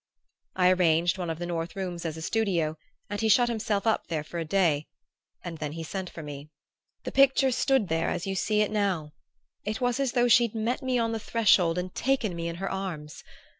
I arranged one of the north rooms as a studio and he shut himself up there for a day; then he sent for me. The picture stood there as you see it now it was as though she'd met me on the threshold and taken me in her arms!